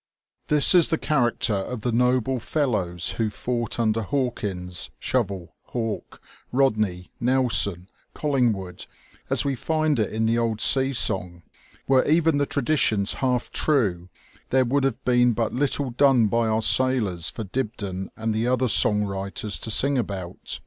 This is the character of the noble fellows who fought under Hawkins, Shovel, Hawke, Eodney, Nelson, Colliugwood, as we find it in the old sea song. Were even the tra ditions half true, there would have been but little done by our sailors for Dibdin and the other song writers to sing about